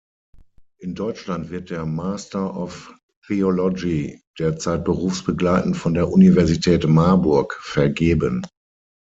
In Deutschland wird der Master of Theology derzeit berufsbegleitend von der Universität Marburg vergeben.